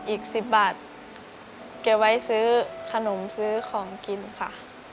อีก๑๐บาทเก็บไว้ซื้อขนมซื้อของกินค่ะ